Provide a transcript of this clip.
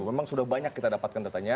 memang sudah banyak kita dapatkan datanya